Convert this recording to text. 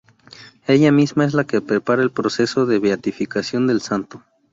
Ella misma es la que prepara el proceso de beatificación del Santo.